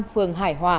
phường hải hòa